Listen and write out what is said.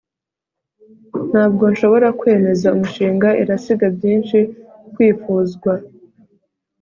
ntabwo nshobora kwemeza umushinga irasiga byinshi kwifuzwa